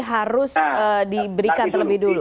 harus diberikan lebih dulu